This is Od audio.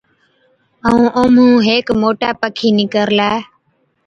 ائُون اومهُون هيڪ موٽَي پکِي نِڪرلي۔